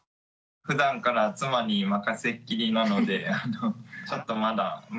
ふだんから妻に任せっきりなのでちょっとまだ難しそう。